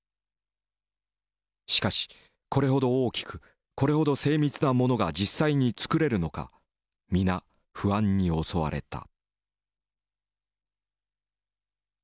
しかしこれほど大きくこれほど精密なものが実際に造れるのか皆不安に襲われた。